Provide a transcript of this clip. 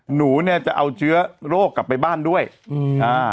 หนูเนี้ยจะเอาเชื้อโรคกลับไปบ้านด้วยอืมอ่า